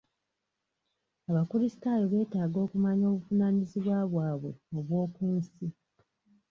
Abakulisitaayo beetaaga okumanya obuvunaanyizibwa bwabwe obwo ku nsi.